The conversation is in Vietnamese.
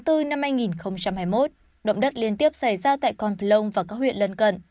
từ tháng bốn năm hai nghìn hai mươi một động đất liên tiếp xảy ra tại con phờ lông và các huyện lân cận